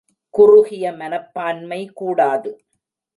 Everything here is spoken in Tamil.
குறுகிய மனப்பான்மை கூடாது.